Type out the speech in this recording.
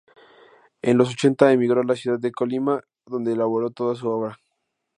En los ochenta emigró a la ciudad de Colima, donde elaboró toda su obra.